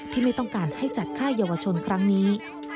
ไม่ต้องการให้จัดค่าเยาวชนครั้งนี้